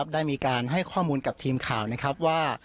ได้มีการให้ข้อมูลกับทีมข่าวนะครับว่า